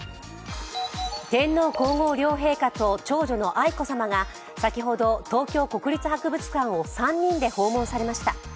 天皇皇后両陛下と長女の愛子さまが先ほど東京国立博物館を３人で訪問されました。